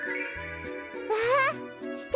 わあすてき！